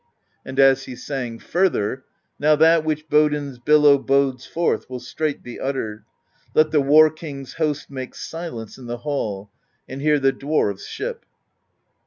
And as he sang further: Now that which Bodn's Billow Bodes forth will straight be uttered: Let the War King's host make silence In the hall, and hear the Dwarves' Ship.